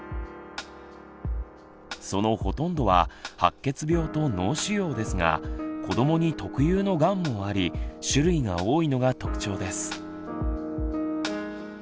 そのほとんどは白血病と脳腫瘍ですが子どもに特有のがんもあり種類が多いのが特徴です。